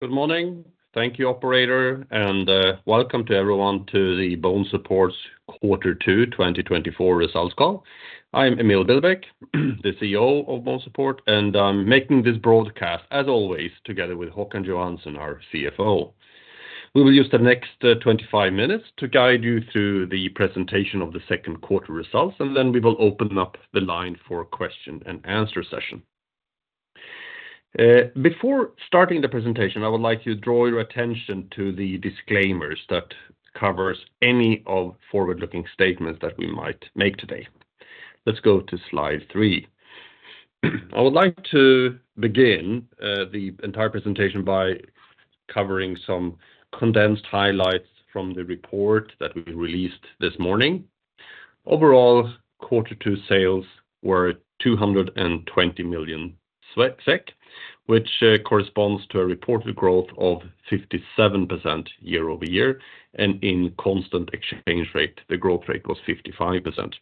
Good morning. Thank you, Operator, and welcome to everyone to the BONESUPPORT's Quarter Two 2024 results call. I'm Emil Billbäck, the CEO of BONESUPPORT, and I'm making this broadcast, as always, together with Håkan Johansson, our CFO. We will use the next 25 minutes to guide you through the presentation of the second quarter results, and then we will open up the line for question and answer session. Before starting the presentation, I would like to draw your attention to the disclaimers that cover any of the forward-looking statements that we might make today. Let's go to slide 3. I would like to begin the entire presentation by covering some condensed highlights from the report that we released this morning. Overall, Quarter Two sales were 220 million SEK, which corresponds to a reported growth of 57% year-over-year, and in constant exchange rate, the growth rate was 55%.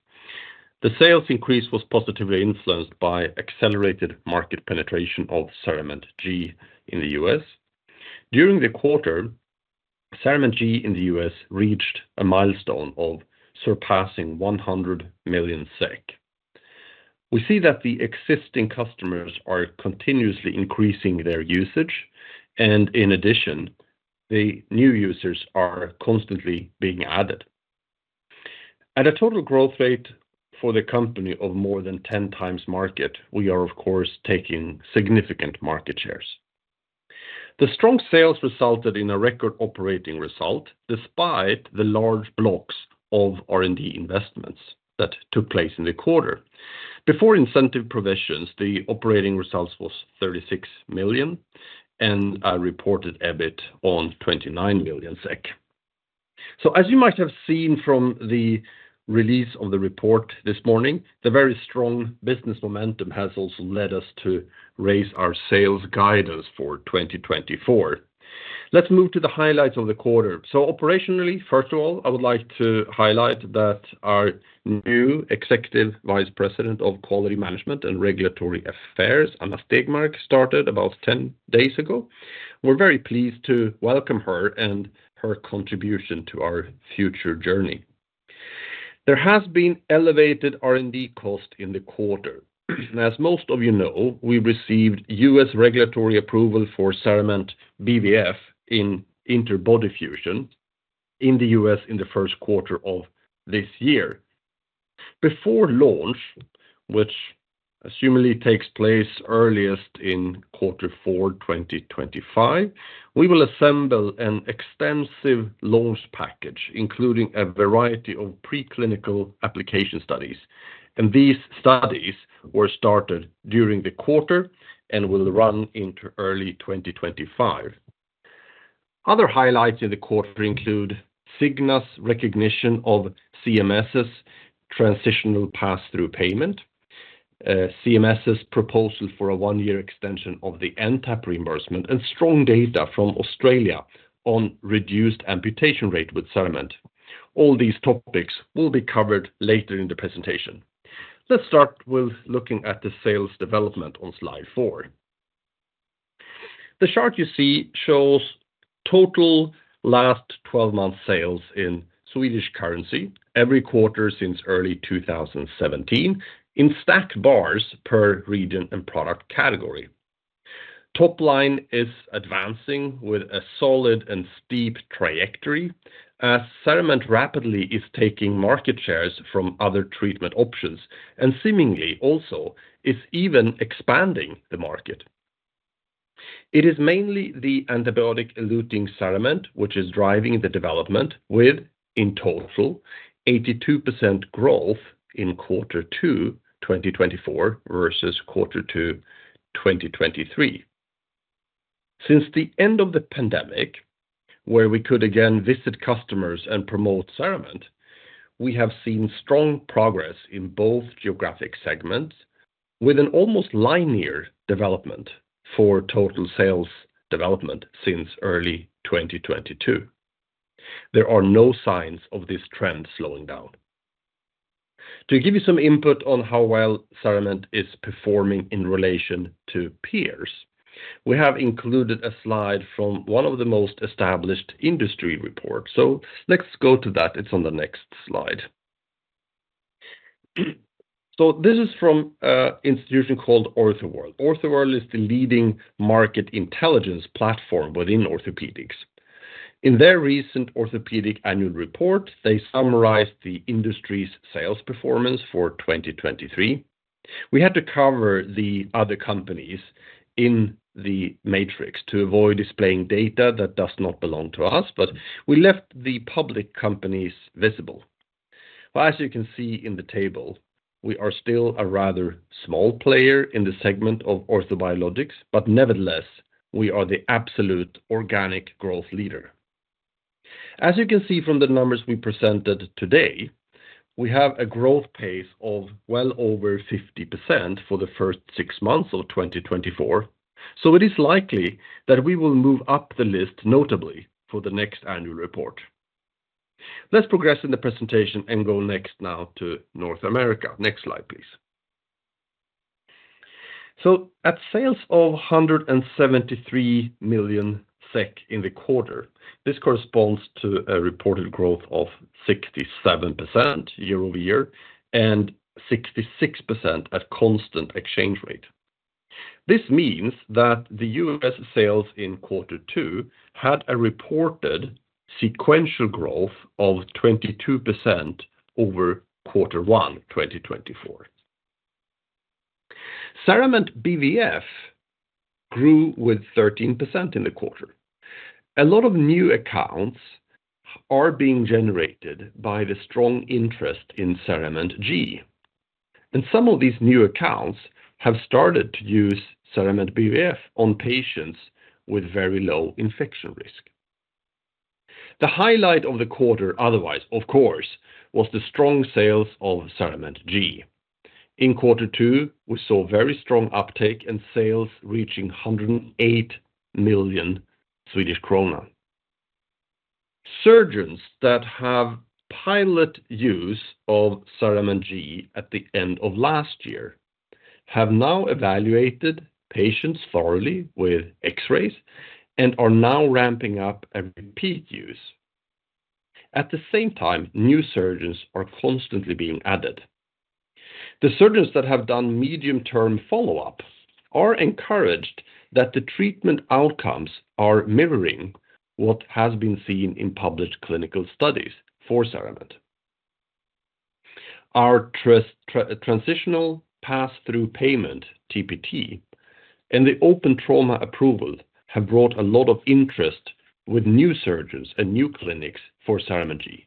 The sales increase was positively influenced by accelerated market penetration of CERAMENT G in the U.S. During the quarter, CERAMENT G in the U.S. reached a milestone of surpassing 100 million SEK. We see that the existing customers are continuously increasing their usage, and in addition, the new users are constantly being added. At a total growth rate for the company of more than 10 times market, we are, of course, taking significant market shares. The strong sales resulted in a record operating result despite the large blocks of R&D investments that took place in the quarter. Before incentive provisions, the operating result was 36 million, and I reported EBIT on 29 million SEK. So, as you might have seen from the release of the report this morning, the very strong business momentum has also led us to raise our sales guidance for 2024. Let's move to the highlights of the quarter. So, operationally, first of all, I would like to highlight that our new Executive Vice President of Quality Management and Regulatory Affairs, Anna Stegmark, started about 10 days ago. We're very pleased to welcome her and her contribution to our future journey. There has been elevated R&D cost in the quarter. As most of you know, we received U.S. regulatory approval for CERAMENT BVF in interbody fusion in the U.S. in the first quarter of this year. Before launch, which assumedly takes place earliest in Quarter Four 2025, we will assemble an extensive launch package, including a variety of preclinical application studies. These studies were started during the quarter and will run into early 2025. Other highlights in the quarter include Cigna's recognition of CMS's transitional pass-through payment, CMS's proposal for a 1-year extension of the NTAP reimbursement, and strong data from Australia on reduced amputation rate with Cerament. All these topics will be covered later in the presentation. Let's start with looking at the sales development on slide 4. The chart you see shows total last 12 months' sales in Swedish currency every quarter since early 2017 in stacked bars per region and product category. Top line is advancing with a solid and steep trajectory as Cerament rapidly is taking market shares from other treatment options and seemingly also is even expanding the market. It is mainly the antibiotic-eluting Cerament which is driving the development with, in total, 82% growth in Quarter 2 2024 versus Quarter 2 2023. Since the end of the pandemic, where we could again visit customers and promote CERAMENT, we have seen strong progress in both geographic segments with an almost linear development for total sales development since early 2022. There are no signs of this trend slowing down. To give you some input on how well CERAMENT is performing in relation to peers, we have included a slide from one of the most established industry reports. So let's go to that. It's on the next slide. So this is from an institution called OrthoWorld. OrthoWorld is the leading market intelligence platform within orthopedics. In their recent orthopedic annual report, they summarized the industry's sales performance for 2023. We had to cover the other companies in the matrix to avoid displaying data that does not belong to us, but we left the public companies visible. As you can see in the table, we are still a rather small player in the segment of orthobiologics, but nevertheless, we are the absolute organic growth leader. As you can see from the numbers we presented today, we have a growth pace of well over 50% for the first six months of 2024. So it is likely that we will move up the list notably for the next annual report. Let's progress in the presentation and go next now to North America. Next slide, please. So at sales of 173 million SEK in the quarter, this corresponds to a reported growth of 67% year-over-year and 66% at constant exchange rate. This means that the U.S. sales in Quarter Two had a reported sequential growth of 22% over Quarter One 2024. CERAMENT BVF grew with 13% in the quarter. A lot of new accounts are being generated by the strong interest in CERAMENT G, and some of these new accounts have started to use CERAMENT BVF on patients with very low infection risk. The highlight of the quarter otherwise, of course, was the strong sales of CERAMENT G. In Quarter Two, we saw very strong uptake and sales reaching 108 million Swedish kronor. Surgeons that have pilot use of CERAMENT G at the end of last year have now evaluated patients thoroughly with X-rays and are now ramping up a repeat use. At the same time, new surgeons are constantly being added. The surgeons that have done medium-term follow-up are encouraged that the treatment outcomes are mirroring what has been seen in published clinical studies for CERAMENT. Our transitional pass-through payment, TPT, and the open trauma approval have brought a lot of interest with new surgeons and new clinics for Cerament G,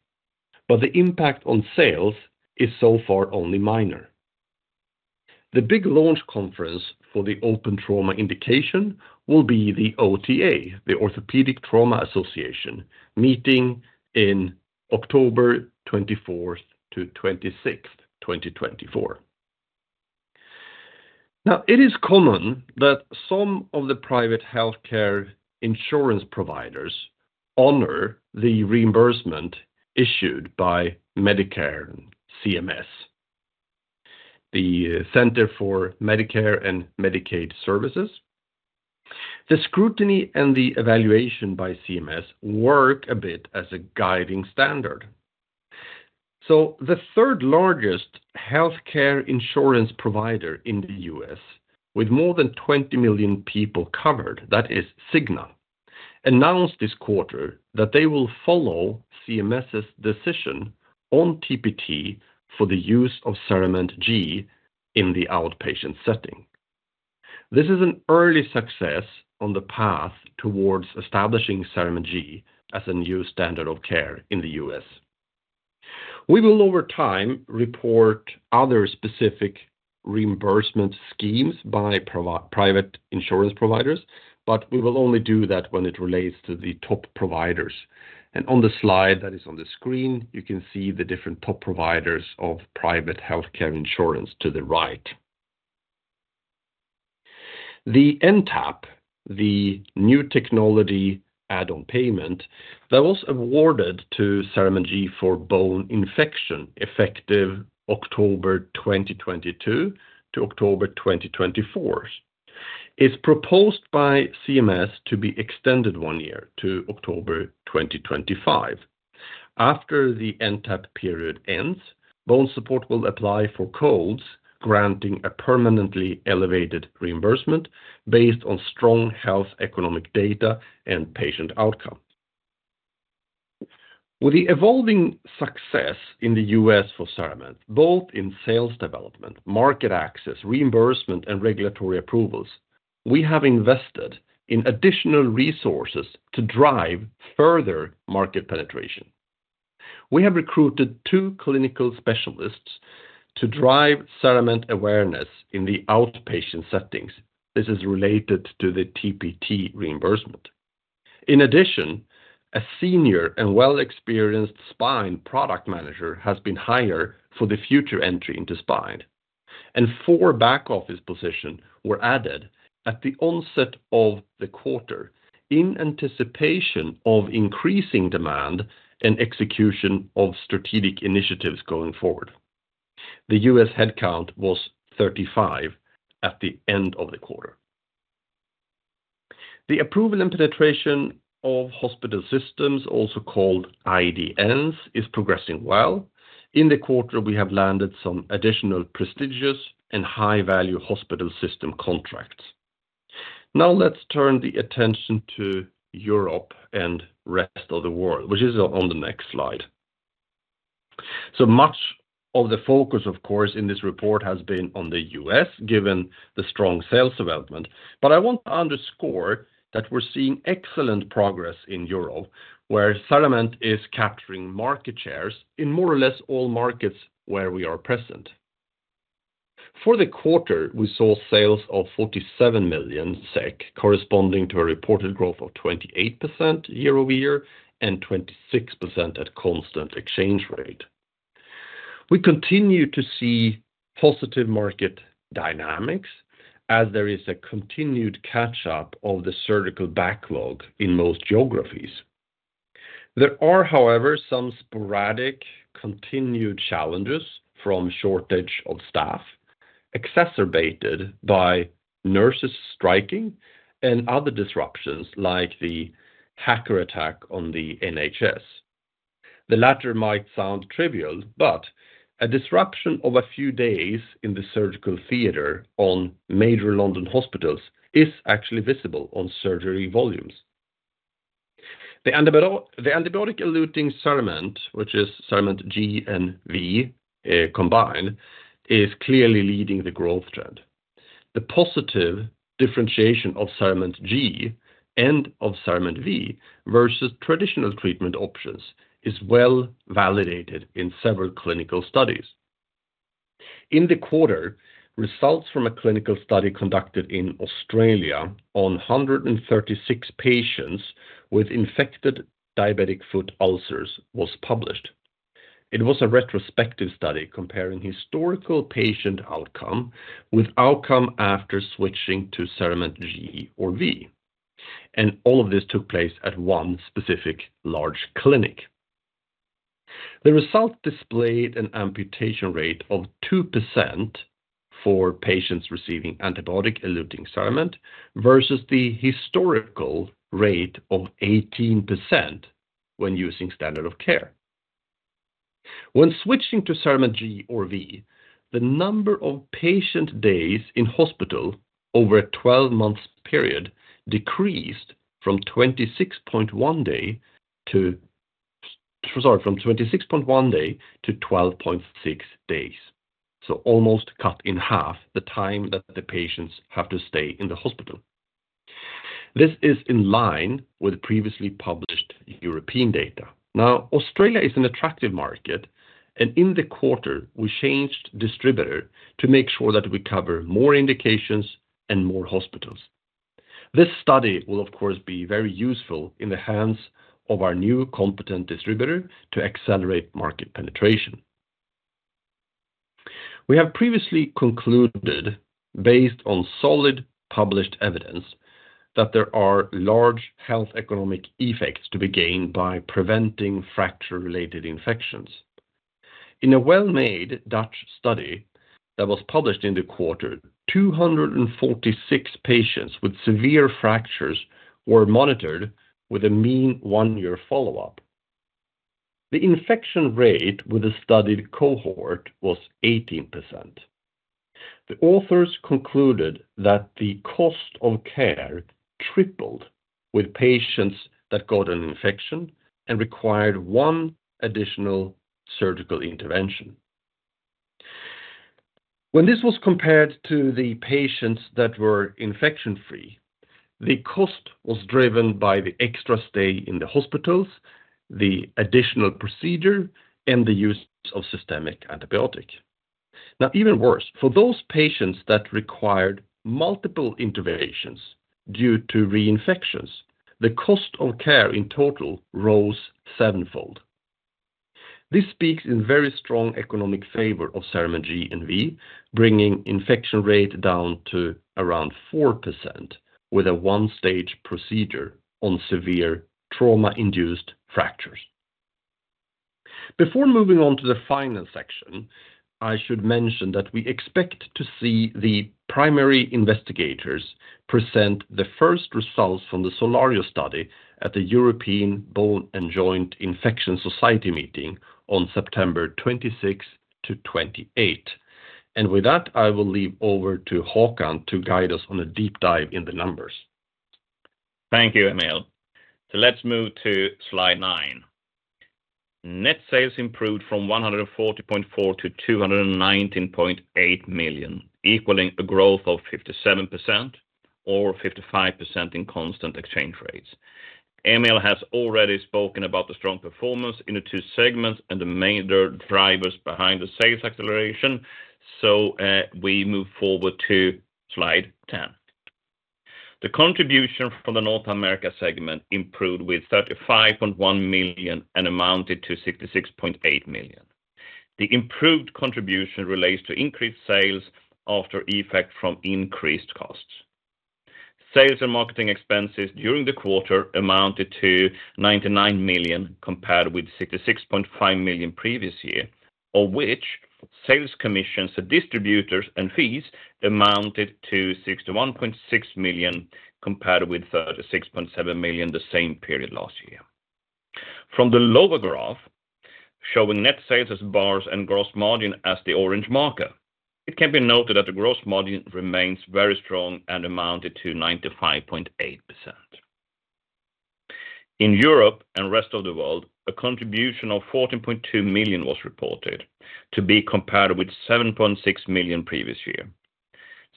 but the impact on sales is so far only minor. The big launch conference for the open trauma indication will be the OTA, the Orthopedic Trauma Association, meeting in October 24th to 26th, 2024. Now, it is common that some of the private healthcare insurance providers honor the reimbursement issued by Medicare and CMS, the Centers for Medicare and Medicaid Services. The scrutiny and the evaluation by CMS work a bit as a guiding standard. So the third largest healthcare insurance provider in the U.S. with more than 20 million people covered, that is Cigna, announced this quarter that they will follow CMS's decision on TPT for the use of Cerament G in the outpatient setting. This is an early success on the path towards establishing CERAMENT G as a new standard of care in the US. We will, over time, report other specific reimbursement schemes by private insurance providers, but we will only do that when it relates to the top providers. On the slide that is on the screen, you can see the different top providers of private healthcare insurance to the right. The NTAP, the new technology add-on payment that was awarded to CERAMENT G for bone infection effective October 2022 to October 2024, is proposed by CMS to be extended one year to October 2025. After the NTAP period ends, BONESUPPORT will apply for codes granting a permanently elevated reimbursement based on strong health economic data and patient outcome. With the evolving success in the US for CERAMENT, both in sales development, market access, reimbursement, and regulatory approvals, we have invested in additional resources to drive further market penetration. We have recruited 2 clinical specialists to drive CERAMENT awareness in the outpatient settings. This is related to the TPT reimbursement. In addition, a senior and well-experienced spine product manager has been hired for the future entry into spine, and 4 back office positions were added at the onset of the quarter in anticipation of increasing demand and execution of strategic initiatives going forward. The US headcount was 35 at the end of the quarter. The approval and penetration of hospital systems, also called IDNs, is progressing well. In the quarter, we have landed some additional prestigious and high-value hospital system contracts. Now, let's turn the attention to Europe and the rest of the world, which is on the next slide. So much of the focus, of course, in this report has been on the US given the strong sales development, but I want to underscore that we're seeing excellent progress in Europe, where CERAMENT is capturing market shares in more or less all markets where we are present. For the quarter, we saw sales of 47 million SEK, corresponding to a reported growth of 28% year-over-year and 26% at constant exchange rate. We continue to see positive market dynamics as there is a continued catch-up of the surgical backlog in most geographies. There are, however, some sporadic continued challenges from a shortage of staff, exacerbated by nurses striking and other disruptions like the hacker attack on the NHS. The latter might sound trivial, but a disruption of a few days in the surgical theater on major London hospitals is actually visible on surgery volumes. The antibiotic-eluting CERAMENT, which is CERAMENT G and V combined, is clearly leading the growth trend. The positive differentiation of CERAMENT G and of CERAMENT V versus traditional treatment options is well validated in several clinical studies. In the quarter, results from a clinical study conducted in Australia on 136 patients with infected diabetic foot ulcers were published. It was a retrospective study comparing historical patient outcome with outcome after switching to CERAMENT G or V. All of this took place at one specific large clinic. The result displayed an amputation rate of 2% for patients receiving antibiotic-eluting CERAMENT versus the historical rate of 18% when using standard of care. When switching to CERAMENT G or V, the number of patient days in hospital over a 12-month period decreased from 26.1 day to, sorry, from 26.1 day to 12.6 days. So almost cut in half the time that the patients have to stay in the hospital. This is in line with previously published European data. Now, Australia is an attractive market, and in the quarter, we changed distributor to make sure that we cover more indications and more hospitals. This study will, of course, be very useful in the hands of our new competent distributor to accelerate market penetration. We have previously concluded, based on solid published evidence, that there are large health economic effects to be gained by preventing fracture-related infections. In a well-made Dutch study that was published in the quarter, 246 patients with severe fractures were monitored with a mean one-year follow-up. The infection rate with the studied cohort was 18%. The authors concluded that the cost of care tripled with patients that got an infection and required one additional surgical intervention. When this was compared to the patients that were infection-free, the cost was driven by the extra stay in the hospitals, the additional procedure, and the use of systemic antibiotic. Now, even worse, for those patients that required multiple interventions due to reinfections, the cost of care in total rose sevenfold. This speaks in very strong economic favor of CERAMENT G and V, bringing infection rate down to around 4% with a one-stage procedure on severe trauma-induced fractures. Before moving on to the final section, I should mention that we expect to see the primary investigators present the first results from the SOLARIO study at the European Bone and Joint Infection Society meeting on September 26th to 28th. With that, I will leave over to Håkan to guide us on a deep dive in the numbers. Thank you, Emil. Let's move to slide nine. Net sales improved from 140.4 million to 219.8 million, equaling a growth of 57% or 55% in constant exchange rates. Emil has already spoken about the strong performance in the two segments and the major drivers behind the sales acceleration, so we move forward to slide 10. The contribution from the North America segment improved with 35.1 million and amounted to 66.8 million. The improved contribution relates to increased sales after effect from increased costs. Sales and marketing expenses during the quarter amounted to 99 million compared with 66.5 million previous year, of which sales commissions to distributors and fees amounted to 61.6 million compared with 36.7 million the same period last year. From the lower graph, showing net sales as bars and gross margin as the orange marker, it can be noted that the gross margin remains very strong and amounted to 95.8%. In Europe and the rest of the world, a contribution of 14.2 million was reported to be compared with 7.6 million previous year.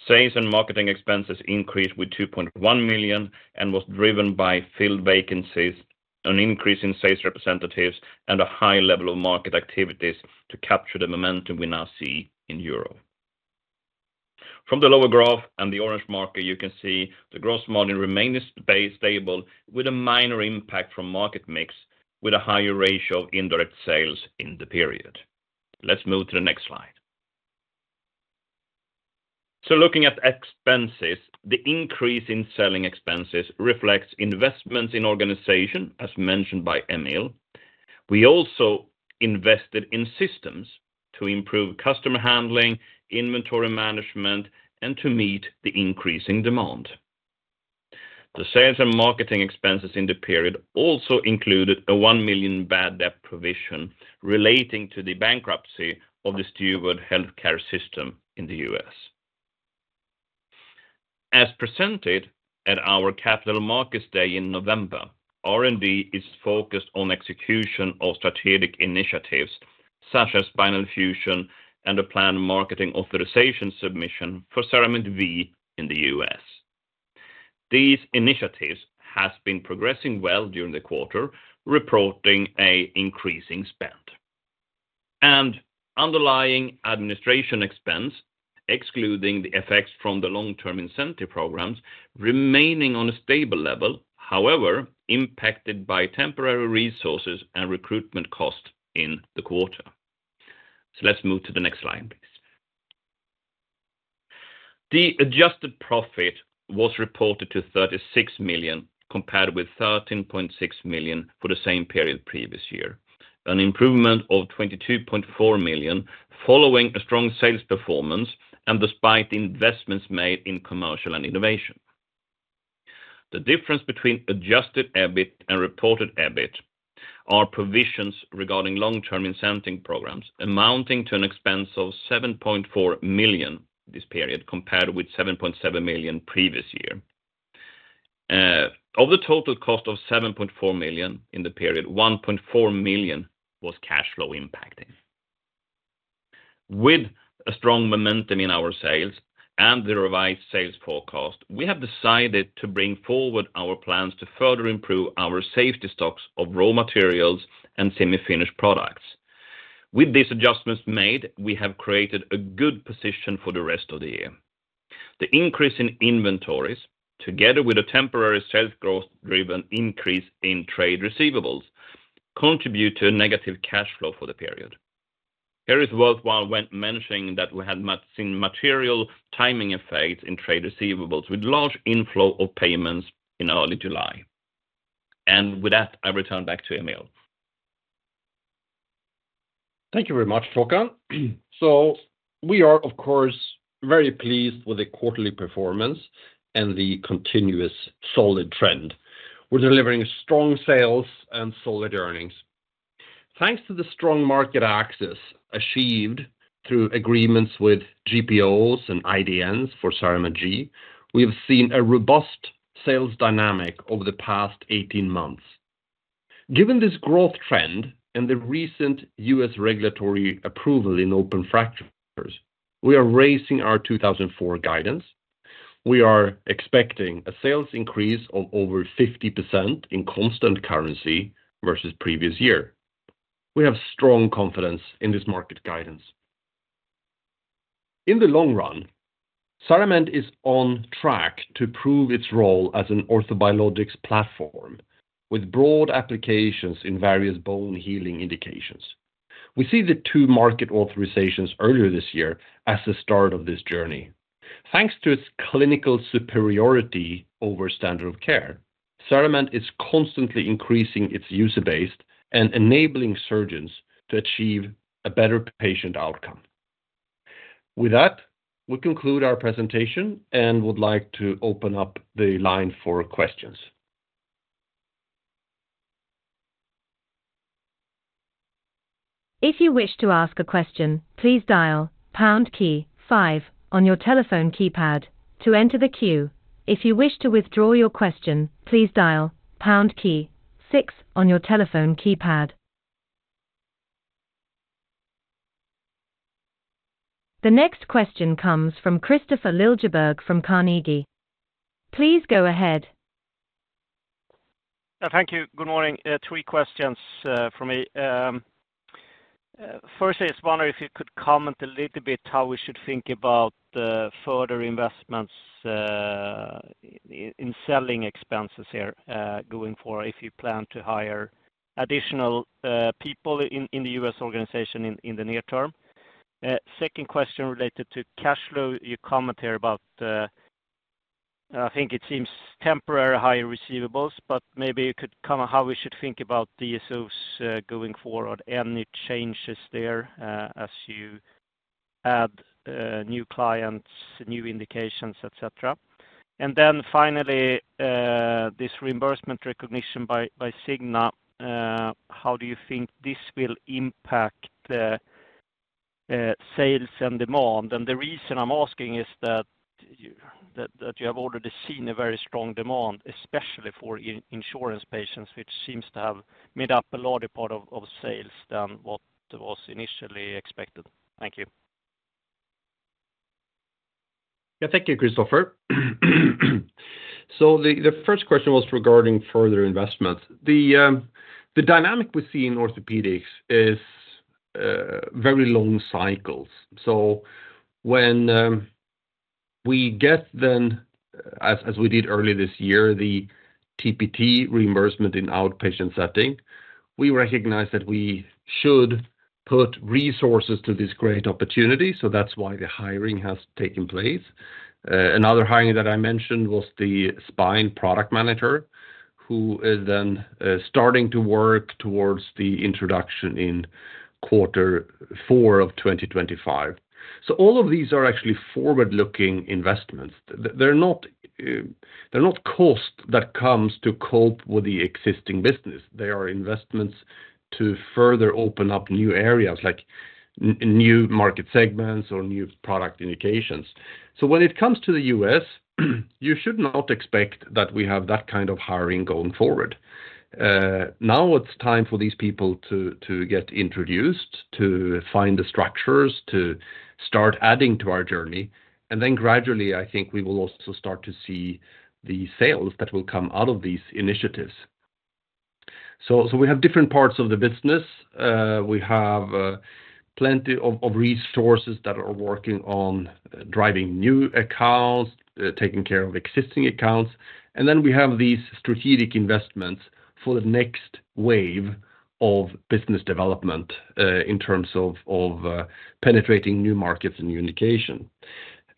Sales and marketing expenses increased with 2.1 million and was driven by filled vacancies, an increase in sales representatives, and a high level of market activities to capture the momentum we now see in Europe. From the lower graph and the orange marker, you can see the gross margin remains stable with a minor impact from market mix with a higher ratio of indirect sales in the period. Let's move to the next slide. So looking at expenses, the increase in selling expenses reflects investments in organization, as mentioned by Emil. We also invested in systems to improve customer handling, inventory management, and to meet the increasing demand. The sales and marketing expenses in the period also included a 1 million bad debt provision relating to the bankruptcy of the Steward Health Care in the US. As presented at our Capital Markets Day in November, R&D is focused on execution of strategic initiatives such as Spinal Fusion and a planned marketing authorization submission for Cerament V in the US. These initiatives have been progressing well during the quarter, reporting an increasing spend. Underlying administration expense, excluding the effects from the long-term incentive programs, remaining on a stable level, however impacted by temporary resources and recruitment costs in the quarter. Let's move to the next slide, please. The adjusted profit was reported to 36 million compared with 13.6 million for the same period previous year, an improvement of 22.4 million following a strong sales performance and despite investments made in commercial and innovation. The difference between adjusted EBIT and reported EBIT are provisions regarding long-term incentive programs amounting to an expense of 7.4 million this period compared with 7.7 million previous year. Of the total cost of 7.4 million in the period, 1.4 million was cash flow impacting. With a strong momentum in our sales and the revised sales forecast, we have decided to bring forward our plans to further improve our safety stocks of raw materials and semi-finished products. With these adjustments made, we have created a good position for the rest of the year. The increase in inventories, together with a temporary sales growth-driven increase in trade receivables, contributes to a negative cash flow for the period. Eric was well worth mentioning that we had seen material timing effects in trade receivables with large inflow of payments in early July. And with that, I return back to Emil. Thank you very much, Håkan. So we are, of course, very pleased with the quarterly performance and the continuous solid trend. We're delivering strong sales and solid earnings. Thanks to the strong market access achieved through agreements with GPOs and IDNs for CERAMENT G, we have seen a robust sales dynamic over the past 18 months. Given this growth trend and the recent U.S. regulatory approval in open fractures, we are raising our 2024 guidance. We are expecting a sales increase of over 50% in constant currency versus previous year. We have strong confidence in this market guidance. In the long run, CERAMENT is on track to prove its role as an Orthobiologics platform with broad applications in various bone healing indications. We see the two market authorizations earlier this year as the start of this journey. Thanks to its clinical superiority over standard of care, CERAMENT is constantly increasing its user base and enabling surgeons to achieve a better patient outcome. With that, we conclude our presentation and would like to open up the line for questions. If you wish to ask a question, please dial pound key five on your telephone keypad to enter the queue. If you wish to withdraw your question, please dial pound key six on your telephone keypad. The next question comes from Kristofer Liljeberg from Carnegie. Please go ahead. Thank you. Good morning. Three questions for me. Firstly, I was wondering if you could comment a little bit how we should think about further investments in selling expenses here going forward if you plan to hire additional people in the U.S. organization in the near term. Second question related to cash flow, you comment here about, I think it seems temporary higher receivables, but maybe you could comment on how we should think about these going forward and any changes there as you add new clients, new indications, etc. And then finally, this reimbursement recognition by Cigna, how do you think this will impact sales and demand? And the reason I'm asking is that you have already seen a very strong demand, especially for insurance patients, which seems to have made up a larger part of sales than what was initially expected. Thank you. Yeah, thank you, Christopher. So the first question was regarding further investments. The dynamic we see in orthopedics is very long cycles. So when we get then, as we did earlier this year, the TPT reimbursement in outpatient setting, we recognize that we should put resources to this great opportunity. So that's why the hiring has taken place. Another hiring that I mentioned was the spine product manager, who is then starting to work towards the introduction in quarter four of 2025. So all of these are actually forward-looking investments. They're not costs that come to cope with the existing business. They are investments to further open up new areas, like new market segments or new product indications. So when it comes to the U.S., you should not expect that we have that kind of hiring going forward. Now it's time for these people to get introduced, to find the structures, to start adding to our journey. Then gradually, I think we will also start to see the sales that will come out of these initiatives. So we have different parts of the business. We have plenty of resources that are working on driving new accounts, taking care of existing accounts. And then we have these strategic investments for the next wave of business development in terms of penetrating new markets and new indications.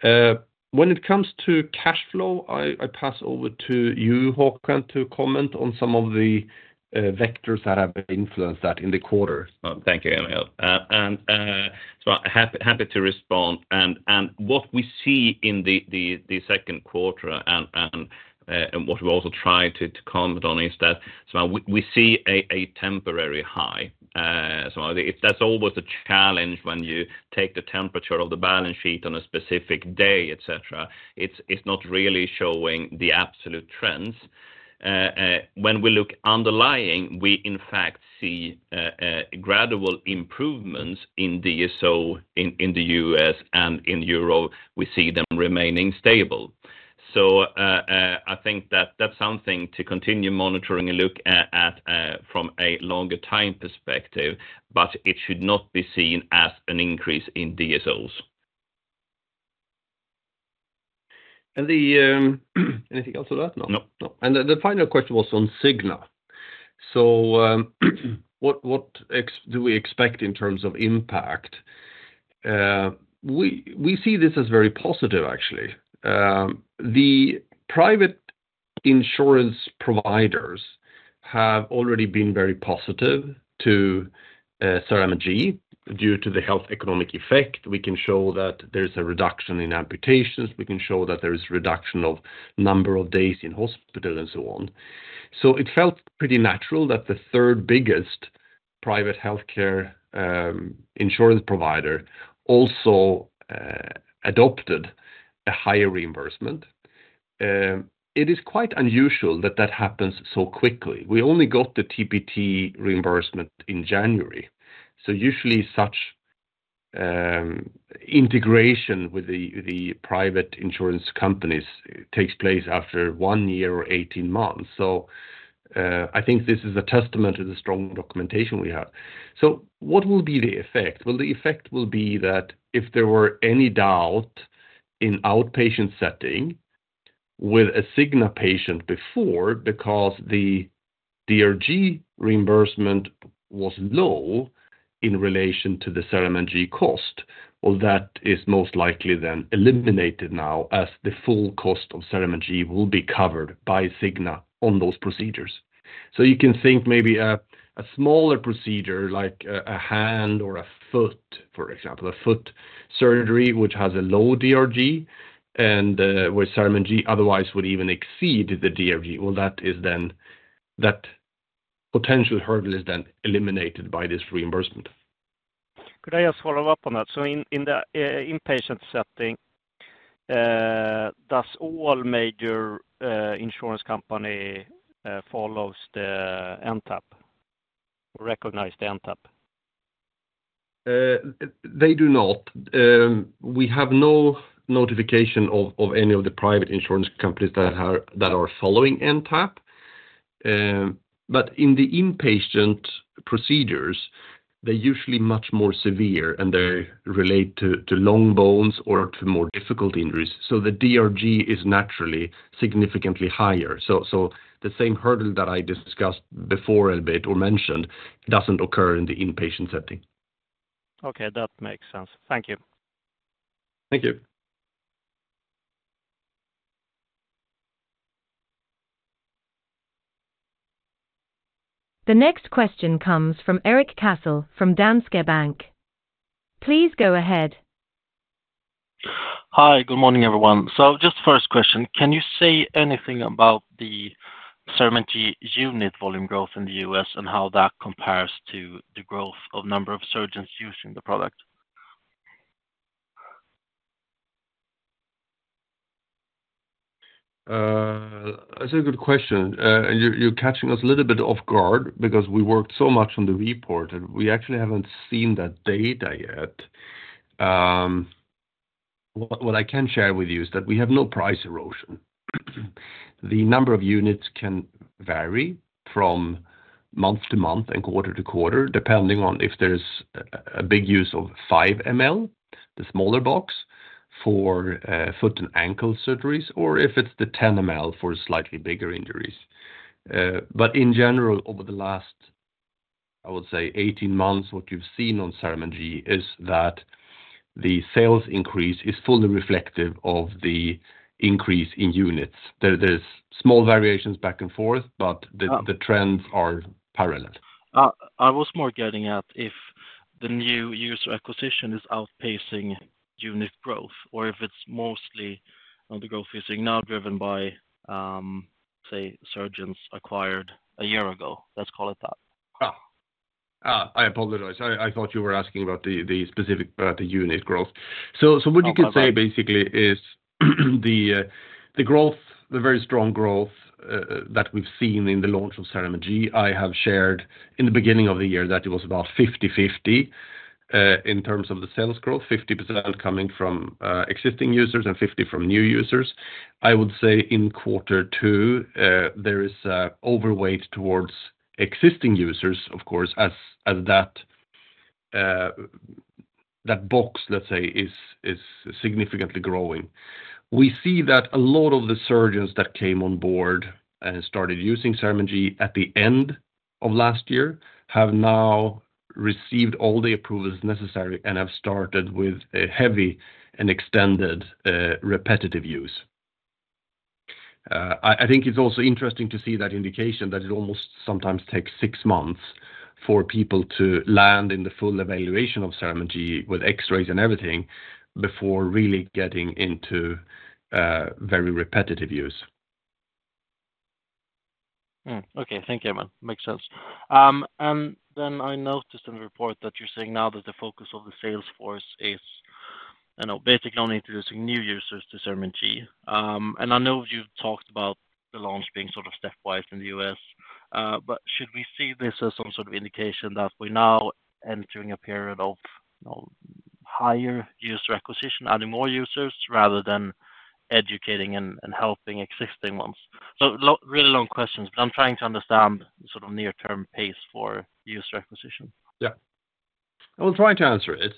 When it comes to cash flow, I pass over to you, Håkan, to comment on some of the vectors that have influenced that in the quarter. Thank you, Emil. And so I'm happy to respond. And what we see in the second quarter and what we also try to comment on is that we see a temporary high. That's always a challenge when you take the temperature of the balance sheet on a specific day, etc. It's not really showing the absolute trends. When we look underlying, we in fact see gradual improvements in DSO in the U.S. and in Europe. We see them remaining stable. So I think that's something to continue monitoring and look at from a longer time perspective, but it should not be seen as an increase in DSOs. And anything else on that? No. No. And the final question was on Cigna. So what do we expect in terms of impact? We see this as very positive, actually. The private insurance providers have already been very positive to Cerament G due to the health economic effect. We can show that there is a reduction in amputations. We can show that there is a reduction of number of days in hospital and so on. So it felt pretty natural that the third biggest private healthcare insurance provider also adopted a higher reimbursement. It is quite unusual that that happens so quickly. We only got the TPT reimbursement in January. So usually such integration with the private insurance companies takes place after 1 year or 18 months. So I think this is a testament to the strong documentation we have. So what will be the effect? Well, the effect will be that if there were any doubt in outpatient setting with a Cigna patient before because the DRG reimbursement was low in relation to the CERAMENT G cost, well, that is most likely then eliminated now as the full cost of CERAMENT G will be covered by Cigna on those procedures. So you can think maybe a smaller procedure like a hand or a foot, for example, a foot surgery which has a low DRG and where CERAMENT G otherwise would even exceed the DRG. Well, that is then that potential hurdle is then eliminated by this reimbursement. Could I just follow up on that? So in the inpatient setting, does all major insurance companies follow the NTAP or recognize the NTAP? They do not. We have no notification of any of the private insurance companies that are following NTAP. But in the inpatient procedures, they're usually much more severe and they relate to long bones or to more difficult injuries. So the DRG is naturally significantly higher. So the same hurdle that I discussed before a bit or mentioned doesn't occur in the inpatient setting. Okay, that makes sense. Thank you. Thank you. The next question comes from Erik Cassel from Danske Bank. Please go ahead. Hi, good morning everyone. So just first question, can you say anything about the Cerament G unit volume growth in the U.S. and how that compares to the growth of number of surgeons using the product? That's a good question. You're catching us a little bit off guard because we worked so much on the report and we actually haven't seen that data yet. What I can share with you is that we have no price erosion. The number of units can vary from month to month and quarter to quarter, depending on if there's a big use of 5 ml, the smaller box, for foot and ankle surgeries, or if it's the 10 ml for slightly bigger injuries. But in general, over the last, I would say, 18 months, what you've seen on Cerament G is that the sales increase is fully reflective of the increase in units. There's small variations back and forth, but the trends are parallel. I was more getting at if the new user acquisition is outpacing unit growth or if it's mostly the growth is now driven by, say, surgeons acquired a year ago. Let's call it that. I apologize. I thought you were asking about the specific unit growth. So what you can say basically is the growth, the very strong growth that we've seen in the launch of CERAMENT G, I have shared in the beginning of the year that it was about 50/50 in terms of the sales growth, 50% coming from existing users and 50% from new users. I would say in quarter two, there is an overweight towards existing users, of course, as that box, let's say, is significantly growing. We see that a lot of the surgeons that came on board and started using Cerament G at the end of last year have now received all the approvals necessary and have started with a heavy and extended repetitive use. I think it's also interesting to see that indication that it almost sometimes takes six months for people to land in the full evaluation of Cerament G with X-rays and everything before really getting into very repetitive use. Okay, thank you, Emil. Makes sense. And then I noticed in the report that you're saying now that the focus of the sales force is basically only introducing new users to Cerament G. And I know you've talked about the launch being sort of stepwise in the U.S., but should we see this as some sort of indication that we're now entering a period of higher user acquisition, adding more users rather than educating and helping existing ones? So really long questions, but I'm trying to understand the sort of near-term pace for user acquisition. Yeah. I will try to answer it.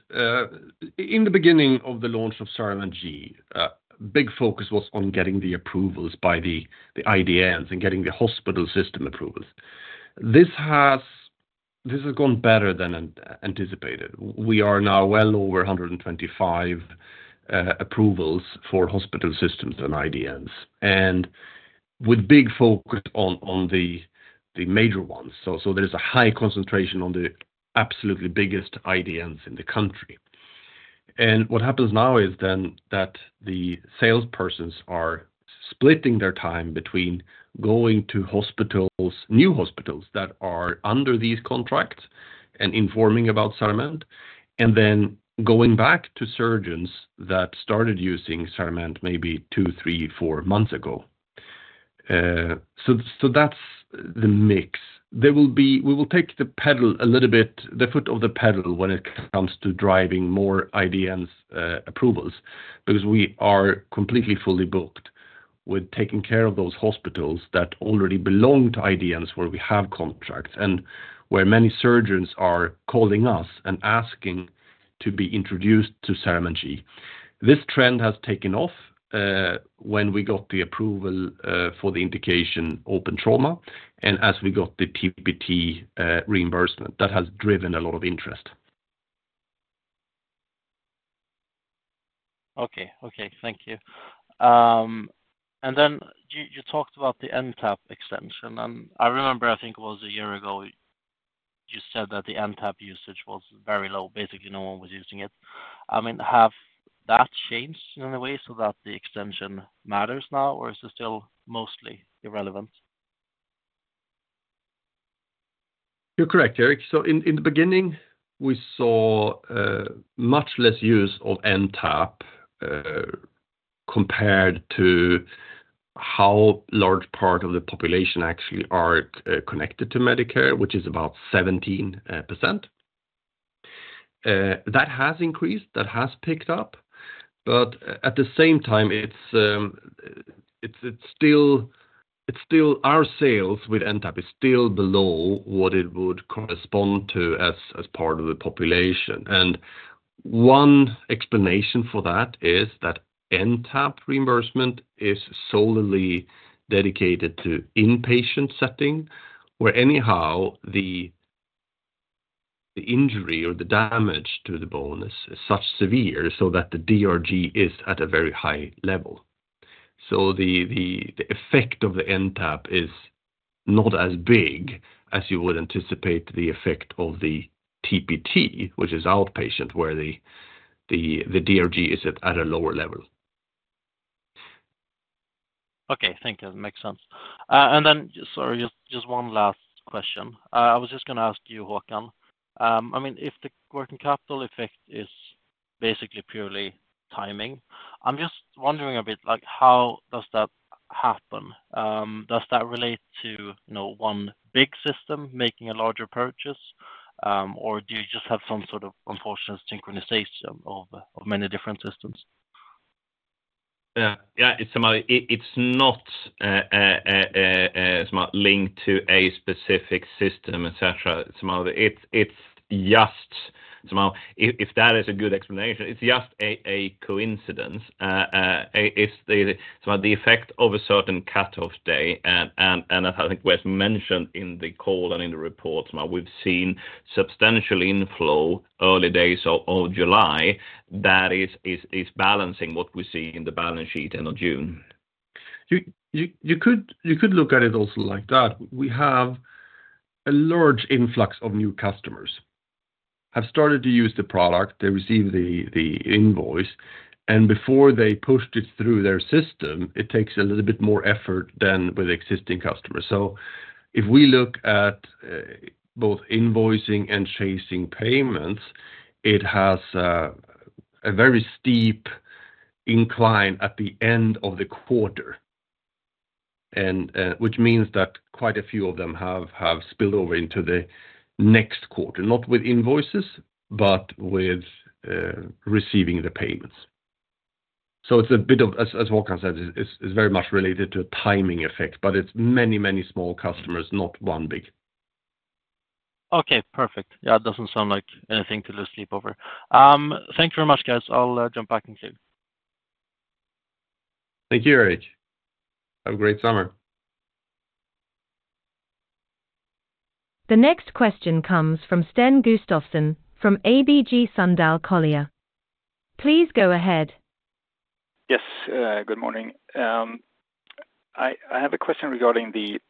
In the beginning of the launch of Cerament G, the big focus was on getting the approvals by the IDNs and getting the hospital system approvals. This has gone better than anticipated. We are now well over 125 approvals for hospital systems and IDNs, and with big focus on the major ones. So there's a high concentration on the absolutely biggest IDNs in the country. What happens now is then that the salespersons are splitting their time between going to new hospitals that are under these contracts and informing about CERAMENT and then going back to surgeons that started using CERAMENT maybe two, three, four months ago. So that's the mix. We will take the pedal a little bit, the foot of the pedal when it comes to driving more IDNs approvals because we are completely fully booked with taking care of those hospitals that already belong to IDNs where we have contracts and where many surgeons are calling us and asking to be introduced to CERAMENT G. This trend has taken off when we got the approval for the indication open trauma and as we got the TPT reimbursement. That has driven a lot of interest. Okay, okay. Thank you. And then you talked about the NTAP extension. And I remember, I think it was a year ago, you said that the NTAP usage was very low. Basically, no one was using it. I mean, has that changed in any way so that the extension matters now, or is it still mostly irrelevant? You're correct, Eric. So in the beginning, we saw much less use of NTAP compared to how large part of the population actually are connected to Medicare, which is about 17%. That has increased. That has picked up. But at the same time, it's still our sales with NTAP is still below what it would correspond to as part of the population. And one explanation for that is that NTAP reimbursement is solely dedicated to inpatient setting where anyhow the injury or the damage to the bone is such severe so that the DRG is at a very high level. So the effect of the NTAP is not as big as you would anticipate the effect of the TPT, which is outpatient where the DRG is at a lower level. Okay, thank you. Makes sense. And then, sorry, just one last question. I was just going to ask you, Håkan, I mean, if the working capital effect is basically purely timing, I'm just wondering a bit, how does that happen? Does that relate to one big system making a larger purchase, or do you just have some sort of unfortunate synchronization of many different systems? Yeah, it's not linked to a specific system, etc. It's just, if that is a good explanation, it's just a coincidence. It's the effect of a certain cutoff day. And as I think was mentioned in the call and in the report, we've seen substantial inflow early days of July that is balancing what we see in the balance sheet end of June. You could look at it also like that. We have a large influx of new customers who have started to use the product. They receive the invoice, and before they pushed it through their system, it takes a little bit more effort than with existing customers. So if we look at both invoicing and chasing payments, it has a very steep incline at the end of the quarter, which means that quite a few of them have spilled over into the next quarter, not with invoices, but with receiving the payments. So it's a bit of, as Håkan said, it's very much related to a timing effect, but it's many, many small customers, not one big. Okay, perfect. Yeah, it doesn't sound like anything to lose sleep over. Thank you very much, guys. I'll jump back in soon. Thank you, Eric. Have a great summer. The next question comes from Sten Gustafsson from ABG Sundal Collier. Please go ahead. Yes, good morning. I have a question regarding the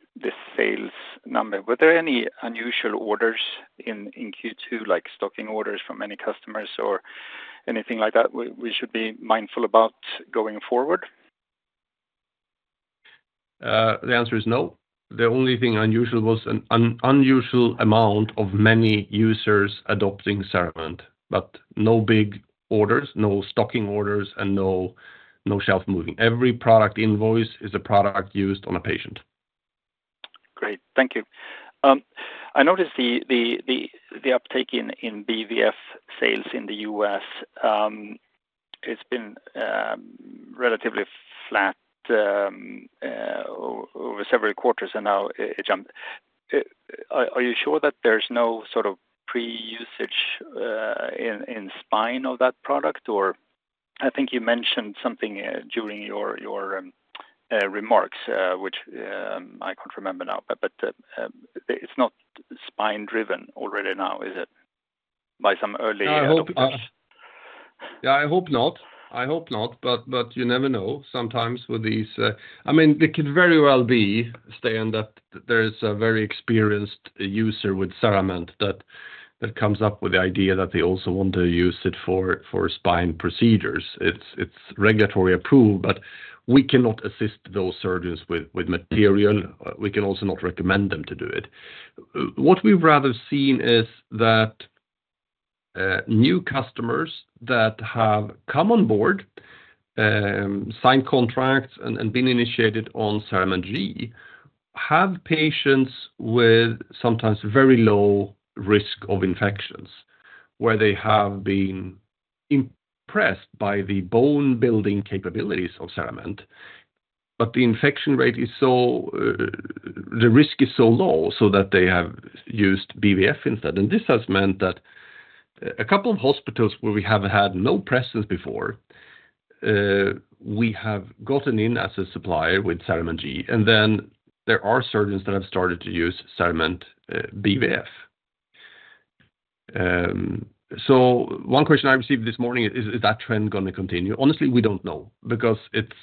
sales number. Were there any unusual orders in Q2, like stocking orders from any customers or anything like that we should be mindful about going forward? The answer is no. The only thing unusual was an unusual amount of many users adopting CERAMENT, but no big orders, no stocking orders, and no shelf moving. Every product invoice is a product used on a patient. Great. Thank you. I noticed the uptake in BVF sales in the US has been relatively flat over several quarters, and now it jumped. Are you sure that there's no sort of pre-usage in spine of that product? Or I think you mentioned something during your remarks, which I can't remember now, but it's not spine-driven already now, is it? Yeah, I hope not. I hope not, but you never know. Sometimes with these, I mean, they could very well be saying that there is a very experienced user with CERAMENT that comes up with the idea that they also want to use it for spine procedures. It's regulatory approved, but we cannot assist those surgeons with material. We can also not recommend them to do it. What we've rather seen is that new customers that have come on board, signed contracts, and been initiated on CERAMENT G have patients with sometimes very low risk of infections where they have been impressed by the bone-building capabilities of CERAMENT, but the infection rate is so the risk is so low so that they have used BVF instead. This has meant that a couple of hospitals where we have had no presence before, we have gotten in as a supplier with CERAMENT G, and then there are surgeons that have started to use CERAMENT BVF. One question I received this morning is, is that trend going to continue? Honestly, we don't know because it's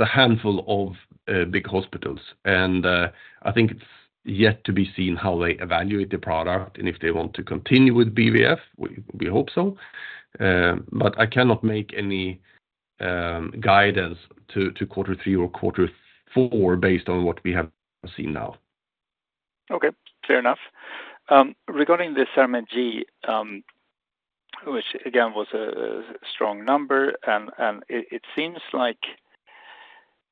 a handful of big hospitals, and I think it's yet to be seen how they evaluate the product and if they want to continue with BVF. We hope so, but I cannot make any guidance to quarter three or quarter four based on what we have seen now. Okay, fair enough. Regarding the CERAMENT G, which again was a strong number, and it seems like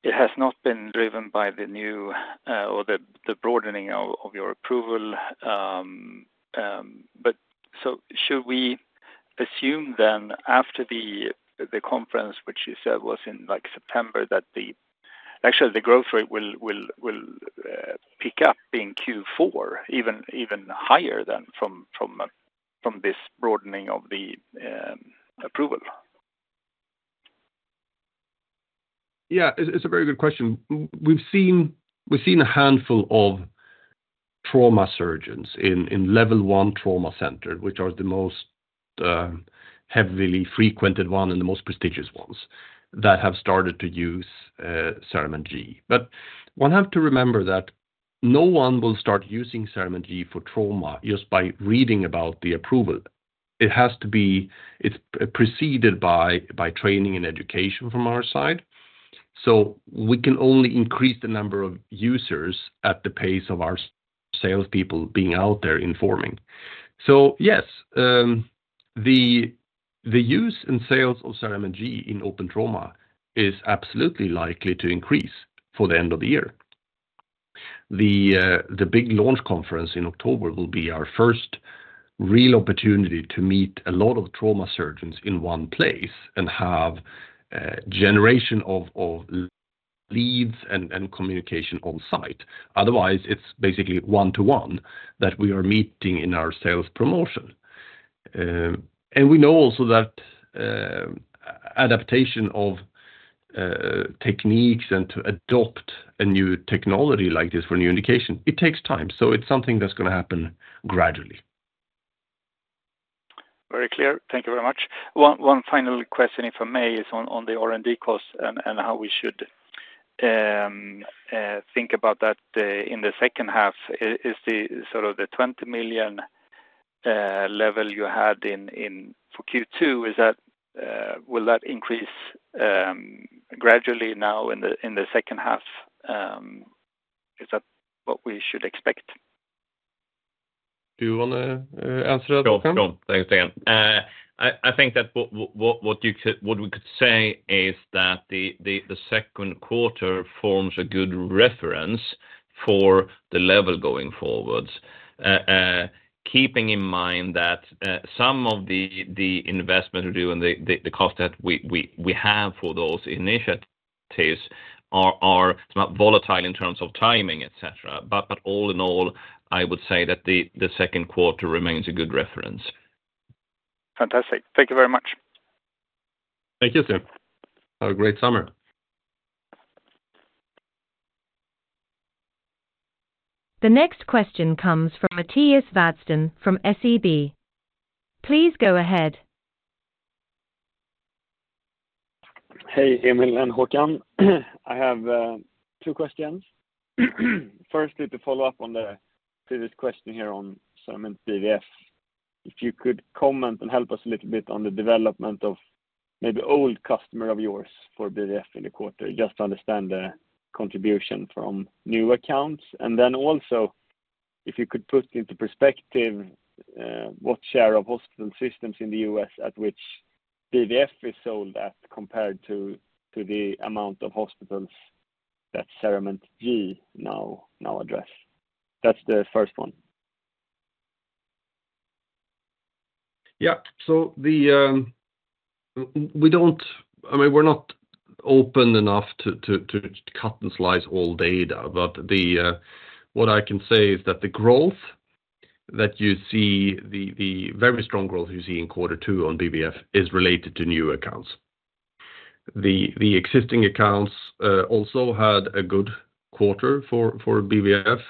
it has not been driven by the new or the broadening of your approval. But so should we assume then after the conference, which you said was in September, that actually the growth rate will pick up in Q4, even higher than from this broadening of the approval? Yeah, it's a very good question. We've seen a handful of trauma surgeons in level one trauma centers, which are the most heavily frequented ones and the most prestigious ones that have started to use CERAMENT G. But one has to remember that no one will start using CERAMENT G for trauma just by reading about the approval. It has to be preceded by training and education from our side. So we can only increase the number of users at the pace of our salespeople being out there informing. So yes, the use and sales of CERAMENT G in Open Trauma is absolutely likely to increase for the end of the year. The big launch conference in October will be our first real opportunity to meet a lot of trauma surgeons in one place and have a generation of leads and communication on site. Otherwise, it's basically one-to-one that we are meeting in our sales promotion. And we know also that adaptation of techniques and to adopt a new technology like this for new indication, it takes time. So it's something that's going to happen gradually. Very clear. Thank you very much. One final question, if I may, is on the R&D costs and how we should think about that in the second half. Is the sort of the 20 million level you had for Q2, will that increase gradually now in the second half? Is that what we should expect? Do you want to answer that, Håkan? Sure, sure. Thanks, Sten. I think that what we could say is that the second quarter forms a good reference for the level going forwards, keeping in mind that some of the investment we do and the cost that we have for those initiatives are volatile in terms of timing, etc. But all in all, I would say that the second quarter remains a good reference. Fantastic. Thank you very much. Thank you, Sten. Have a great summer. The next question comes from Mattias Vadsten from SEB. Please go ahead. Hey, Emil and Håkan. I have two questions. First, to follow up on the previous question here on CERAMENT BVF, if you could comment and help us a little bit on the development of maybe old customers of yours for BVF in the quarter, just to understand the contribution from new accounts. And then also, if you could put into perspective what share of hospital systems in the U.S. at which BVF is sold at compared to the amount of hospitals that CERAMENT G now address. That's the first one. Yeah. So we don't, I mean, we're not open enough to cut and slice all data, but what I can say is that the growth that you see, the very strong growth you see in quarter two on BVF is related to new accounts. The existing accounts also had a good quarter for BVF,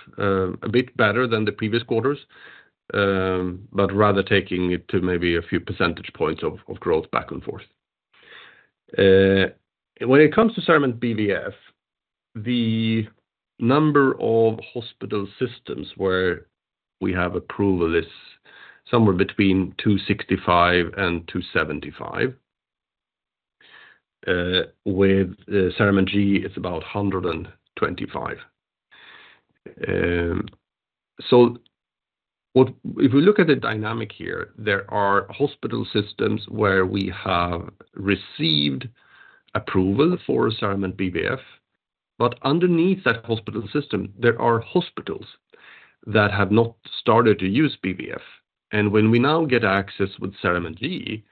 a bit better than the previous quarters, but rather taking it to maybe a few percentage points of growth back and forth. When it comes to CERAMENT BVF, the number of hospital systems where we have approval is somewhere between 265 and 275. With CERAMENT G, it's about 125. So if we look at the dynamic here, there are hospital systems where we have received approval for CERAMENT BVF, but underneath that hospital system, there are hospitals that have not started to use BVF. And when we now get access with CERAMENT G,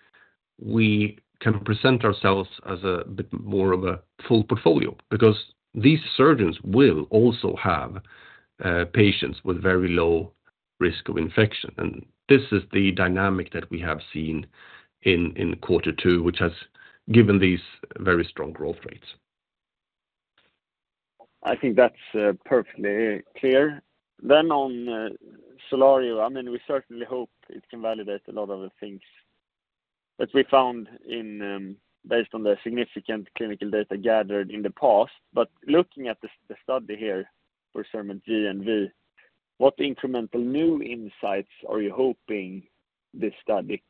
we can present ourselves as a bit more of a full portfolio because these surgeons will also have patients with very low risk of infection. And this is the dynamic that we have seen in quarter two, which has given these very strong growth rates. I think that's perfectly clear. Then on SOLARIO, I mean, we certainly hope it can validate a lot of the things that we found based on the significant clinical data gathered in the past. But looking at the study here for CERAMENT G and V, what incremental new insights are you hoping this study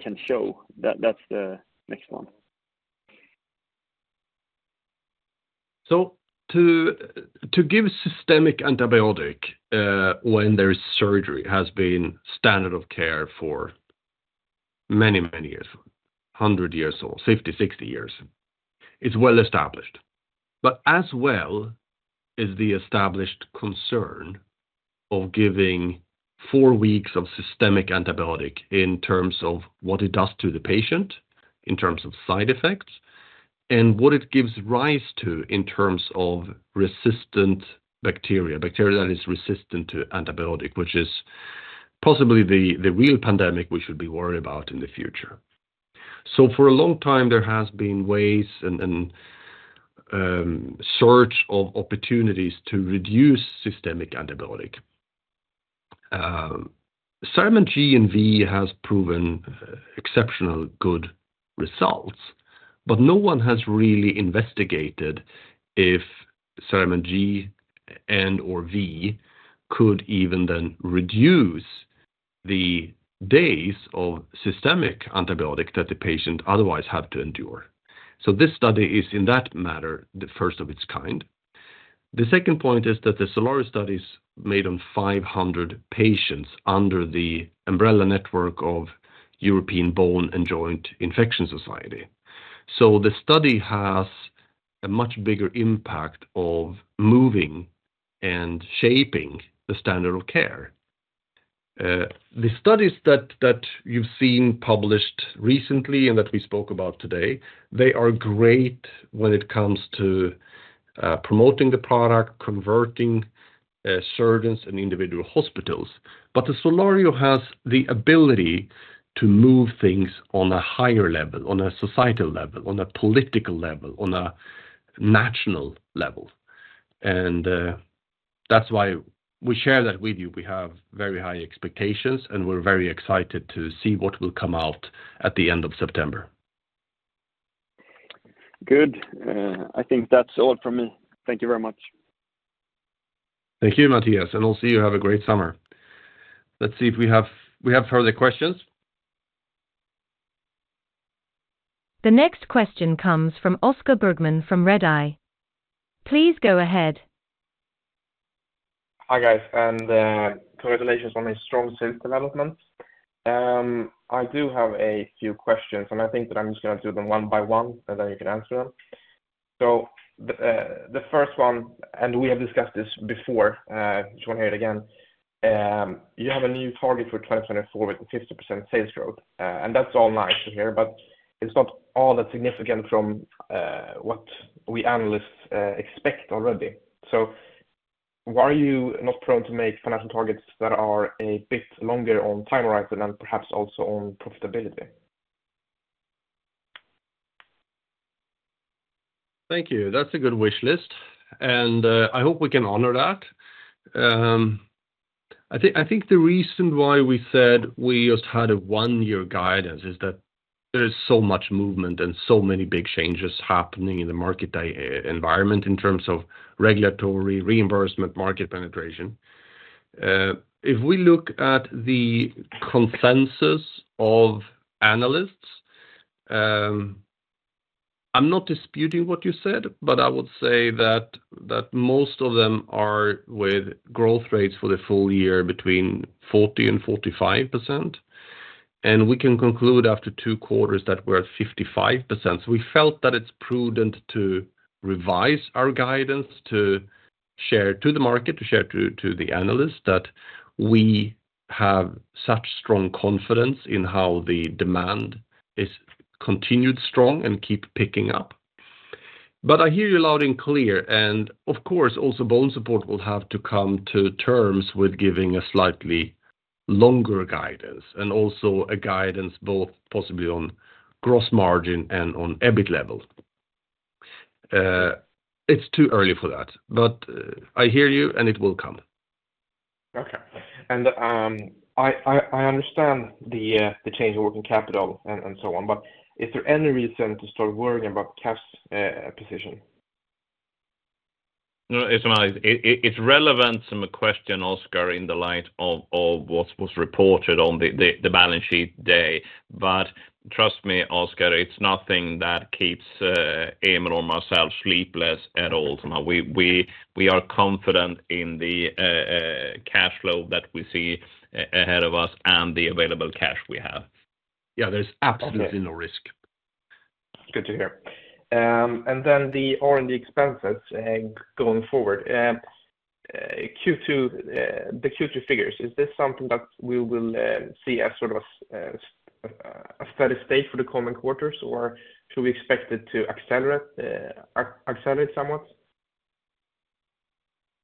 can show? That's the next one. So to give systemic antibiotic when there is surgery has been standard of care for many, many years, 100 years old, 50, 60 years. It's well established. But as well as the established concern of giving four weeks of systemic antibiotic in terms of what it does to the patient, in terms of side effects, and what it gives rise to in terms of resistant bacteria, bacteria that is resistant to antibiotic, which is possibly the real pandemic we should be worried about in the future. So for a long time, there have been ways and search of opportunities to reduce systemic antibiotic. CERAMENT G and V has proven exceptional good results, but no one has really investigated if CERAMENT G and/or V could even then reduce the days of systemic antibiotic that the patient otherwise have to endure. So this study is, in that matter, the first of its kind. The second point is that the SOLARIO study is made on 500 patients under the umbrella network of European Bone and Joint Infection Society. So the study has a much bigger impact of moving and shaping the standard of care. The studies that you've seen published recently and that we spoke about today, they are great when it comes to promoting the product, converting surgeons and individual hospitals. But the SOLARIO has the ability to move things on a higher level, on a societal level, on a political level, on a national level. And that's why we share that with you. We have very high expectations, and we're very excited to see what will come out at the end of September. Good. I think that's all from me. Thank you very much. Thank you, Matthias, and I'll see you. Have a great summer. Let's see if we have further questions. The next question comes from Oscar Bergman from Redeye. Please go ahead. Hi guys, and congratulations on a strong sales development. I do have a few questions, and I think that I'm just going to do them one by one, and then you can answer them. So the first one, and we have discussed this before, I just want to hear it again. You have a new target for 2024 with a 50% sales growth, and that's all nice to hear, but it's not all that significant from what we analysts expect already. So why are you not prone to make financial targets that are a bit longer on time horizon and perhaps also on profitability? Thank you. That's a good wish list, and I hope we can honor that. I think the reason why we said we just had a one-year guidance is that there is so much movement and so many big changes happening in the market environment in terms of regulatory reimbursement, market penetration. If we look at the consensus of analysts, I'm not disputing what you said, but I would say that most of them are with growth rates for the full year between 40%-45%. We can conclude after two quarters that we're at 55%. So we felt that it's prudent to revise our guidance, to share to the market, to share to the analysts that we have such strong confidence in how the demand is continued strong and keep picking up. But I hear you loud and clear. And of course, also BONESUPPORT will have to come to terms with giving a slightly longer guidance and also a guidance both possibly on gross margin and on EBIT level. It's too early for that, but I hear you, and it will come. Okay. And I understand the change in working capital and so on, but is there any reason to start worrying about cash position? It's relevant to my question, Oscar, in the light of what was reported on the balance sheet day. But trust me, Oscar, it's nothing that keeps Emil or myself sleepless at all. We are confident in the cash flow that we see ahead of us and the available cash we have. Yeah, there's absolutely no risk. Good to hear. And then the R&D expenses going forward, the Q2 figures, is this something that we will see as sort of a steady state for the coming quarters, or should we expect it to accelerate somewhat?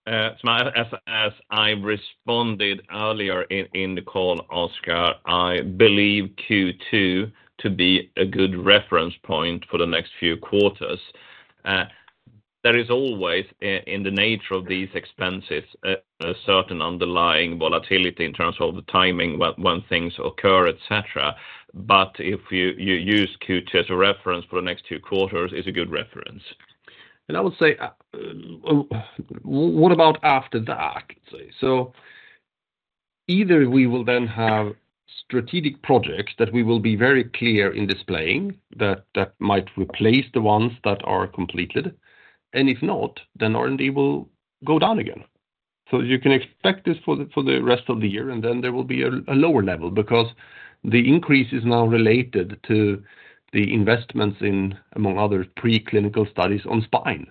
As I responded earlier in the call, Oscar, I believe Q2 to be a good reference point for the next few quarters. There is always, in the nature of these expenses, a certain underlying volatility in terms of the timing when things occur, etc. But if you use Q2 as a reference for the next two quarters, it's a good reference. And I would say, what about after that? So either we will then have strategic projects that we will be very clear in displaying that might replace the ones that are completed. And if not, then R&D will go down again. So you can expect this for the rest of the year, and then there will be a lower level because the increase is now related to the investments in, among others, preclinical studies on spine,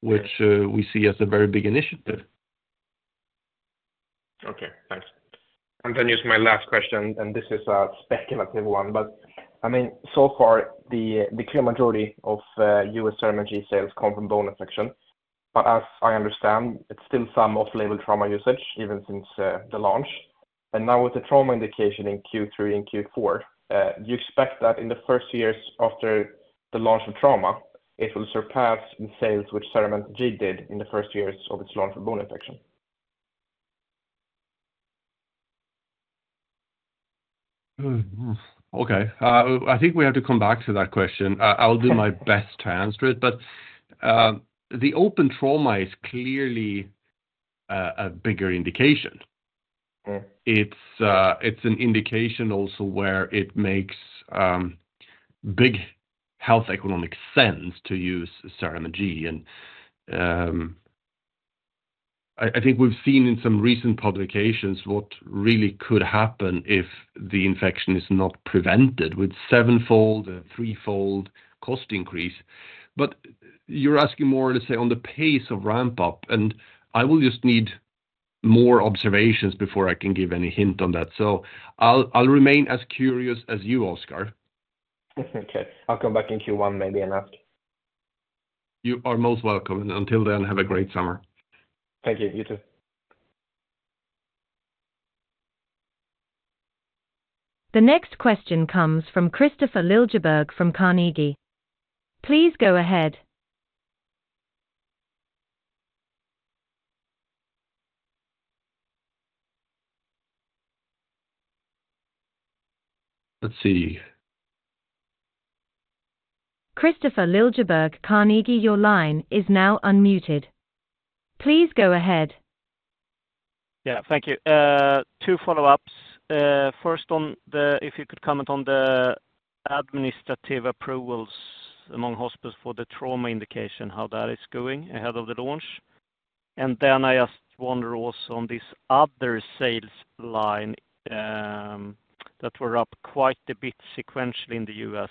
which we see as a very big initiative. Okay. Thanks. And then just my last question, and this is a speculative one, but I mean, so far, the clear majority of U.S. CERAMENT G sales come from bone infection. But as I understand, it's still some off-label trauma usage, even since the launch. Now with the trauma indication in Q3 and Q4, do you expect that in the first years after the launch of trauma, it will surpass the sales which CERAMENT G did in the first years of its launch for bone infection? Okay. I think we have to come back to that question. I'll do my best to answer it, but the open trauma is clearly a bigger indication. It's an indication also where it makes big health economic sense to use CERAMENT G. And I think we've seen in some recent publications what really could happen if the infection is not prevented with seven-fold or three-fold cost increase. But you're asking more, let's say, on the pace of ramp-up, and I will just need more observations before I can give any hint on that. So I'll remain as curious as you, Oscar. Okay. I'll come back in Q1 maybe and ask. You are most welcome. And until then, have a great summer. Thank you. You too. The next question comes from Christopher Liljeberg from Carnegie. Please go ahead. Let's see. Christopher Liljeberg, Carnegie, your line is now unmuted. Please go ahead. Yeah. Thank you. Two follow-ups. First, if you could comment on the administrative approvals among hospitals for the trauma indication, how that is going ahead of the launch. And then I asked one row on this other sales line that were up quite a bit sequentially in the US.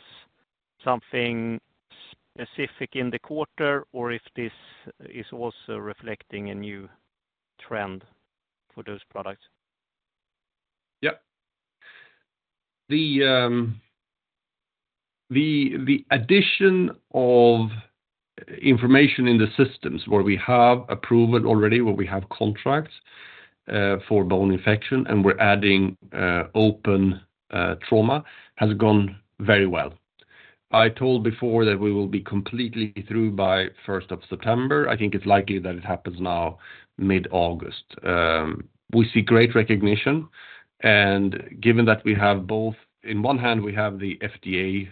Something specific in the quarter, or if this is also reflecting a new trend for those products? Yeah. The addition of information in the systems where we have approval already, where we have contracts for bone infection, and we're adding open trauma has gone very well. I told before that we will be completely through by 1st of September. I think it's likely that it happens now mid-August. We see great recognition. And given that we have both, in one hand, we have the FDA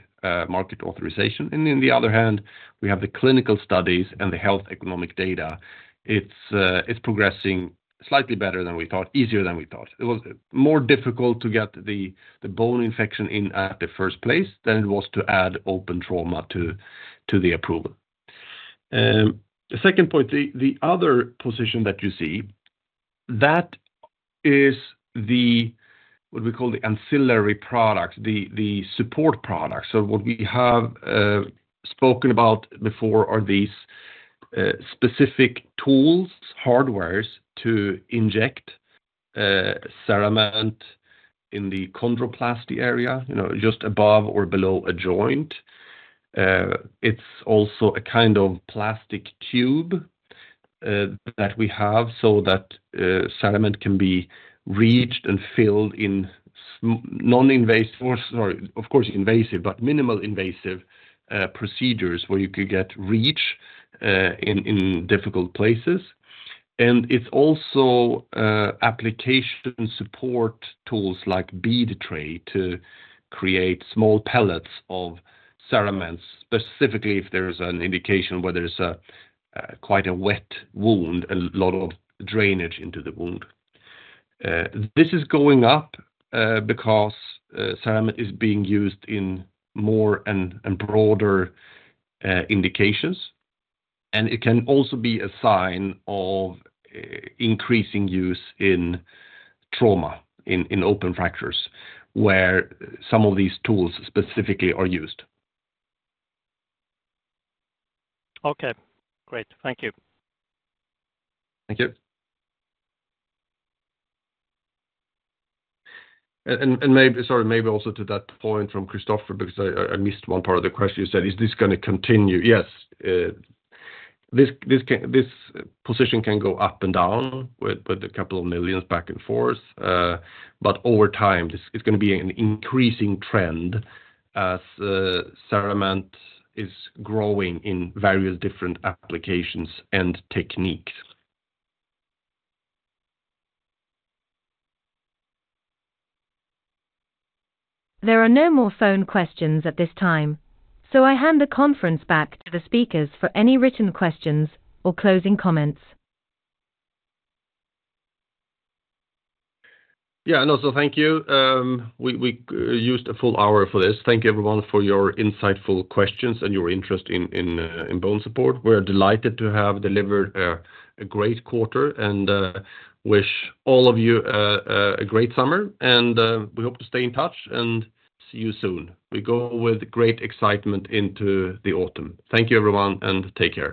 market authorization, and in the other hand, we have the clinical studies and the health economic data, it's progressing slightly better than we thought, easier than we thought. It was more difficult to get the bone infection in at the first place than it was to add Open Trauma to the approval. The second point, the other position that you see, that is what we call the ancillary products, the support products. So what we have spoken about before are these specific tools, hardwares to inject CERAMENT in the chondroplasty area, just above or below a joint. It's also a kind of plastic tube that we have so that CERAMENT can be reached and filled in non-invasive, or sorry, of course, invasive, but minimal invasive procedures where you could get reach in difficult places. And it's also application support tools like Bead Tray to create small pellets of CERAMENT, specifically if there's an indication where there's quite a wet wound, a lot of drainage into the wound. This is going up because CERAMENT is being used in more and broader indications. And it can also be a sign of increasing use in trauma, in open fractures, where some of these tools specifically are used. Okay. Great. Thank you. Thank you. And sorry, maybe also to that point from Christopher, because I missed one part of the question. You said, "Is this going to continue?" Yes. This position can go up and down with a couple of million SEK back and forth. But over time, it's going to be an increasing trend as CERAMENT is growing in various different applications and techniques. There are no more phone questions at this time, so I hand the conference back to the speakers for any written questions or closing comments. Yeah. And also, thank you. We used a full hour for this. Thank you, everyone, for your insightful questions and your interest in BONESUPPORT. We're delighted to have delivered a great quarter and wish all of you a great summer. And we hope to stay in touch and see you soon. We go with great excitement into the autumn. Thank you, everyone, and take care.